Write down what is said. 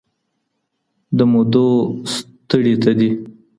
د مودو ستړي ته دي